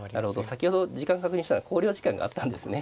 先ほど時間確認したら考慮時間があったんですね。